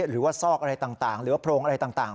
ซอกอะไรต่างหรือว่าโพรงอะไรต่าง